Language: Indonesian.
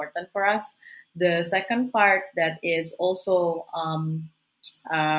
dan bagian kedua yang juga